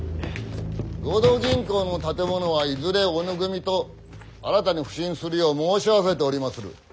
合同銀行の建物はいずれ小野組と新たに普請するよう申し合わせておりまする。